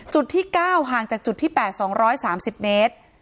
จุดที่๙ห่างจากจุดที่๘๒๓๐เมตร